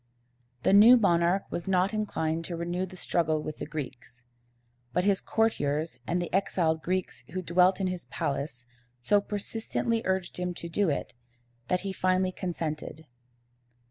The new monarch was not inclined to renew the struggle with the Greeks; but his courtiers and the exiled Greeks who dwelt in his palace so persistently urged him to do it, that he finally consented.